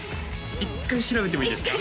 一回調べてもいいですか？